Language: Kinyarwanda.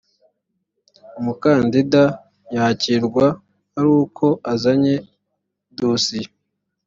umukandida yakirwa aruko azanye dosiye.